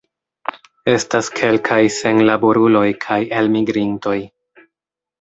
Estas kelkaj senlaboruloj kaj elmigrintoj.